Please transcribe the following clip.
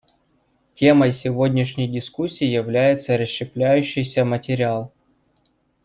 Темой сегодняшней дискуссии является расщепляющийся материал.